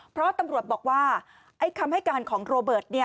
เพราะตำรวจบอกว่าคำให้การของโรเบิร์ต